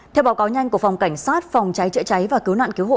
theo báo cáo nhanh của phòng cảnh sát phòng cháy chữa cháy và cứu nạn cứu hộ